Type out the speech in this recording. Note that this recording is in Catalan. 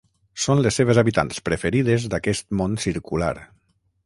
Són les seves habitants preferides d'aquest món circular.